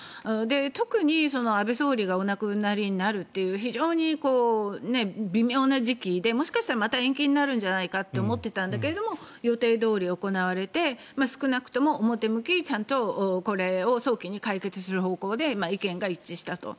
特に安倍総理がお亡くなりになるという非常に微妙な時期でもしかしたらまた延期になるんじゃないかと予定どおり行われて少なくとも表向きにちゃんとこれを早期に解決する方向で意見が一致したと。